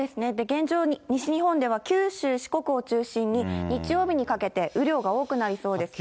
現状、西日本では九州、四国を中心に日曜日にかけて雨量が多くなりそうです。